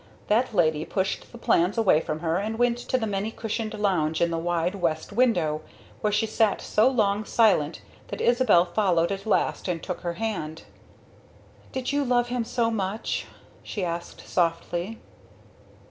That lady pushed the plans away from her, and went to the many cushioned lounge in the wide west window, where she sat so long silent that Isabel followed at last and took her hand. "Did you love him so much?" she asked softly.